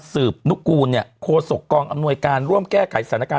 สืบนุกูเนี่ยโคศกองค์อำนวยการร่วมแก้ไกลศันนาการ